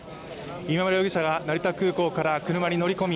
今村容疑者が成田空港から車に乗り込み